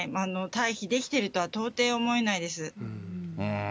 退避できてるとは到底思えないです。